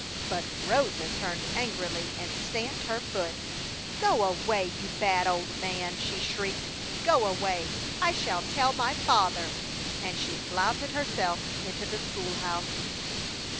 But Rosa turned angrily and stamped her foot. "Go away! You bad old man!" she shrieked. "Go away! I shall tell my father!" And she flouted herself into the school house.